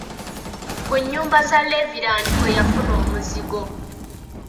Ku nnyumba za levirand kwe yafuna omuzigo.